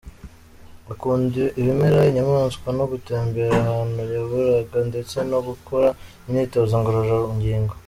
Akunda ibimera, inyamaswa no gutemberera ahantu nyaburanga ndetse no gukora imyitozo ngororangingo.